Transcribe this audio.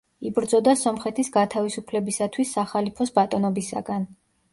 იბრძოდა სომხეთის გათავისუფლებისათვის სახალიფოს ბატონობისაგან.